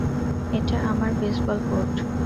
এটা আমার baseball court.